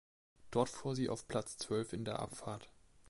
Dort fuhr sie auf Platz zwölf in der Abfahrt.